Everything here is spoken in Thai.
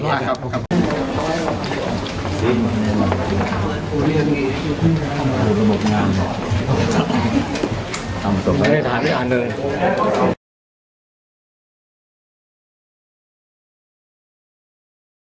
โอเคนะครับโอเคนะครับ